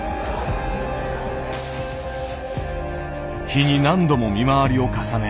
日に何度も見回りを重ね